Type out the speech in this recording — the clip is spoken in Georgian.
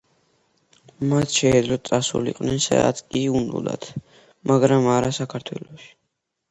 მათ შეეძლოთ წასულიყვნენ, სადაც კი უნდოდათ, მაგრამ არა საქართველოში.